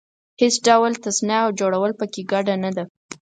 هېڅ ډول تصنع او جوړول په کې ګډه نه ده.